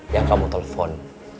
yang kamu telepon